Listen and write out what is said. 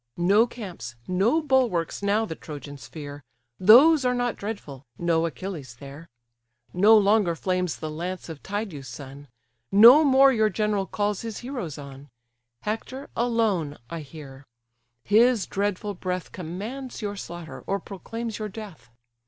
No camps, no bulwarks now the Trojans fear, Those are not dreadful, no Achilles there; No longer flames the lance of Tydeus' son; No more your general calls his heroes on: Hector, alone, I hear; his dreadful breath Commands your slaughter, or proclaims your death.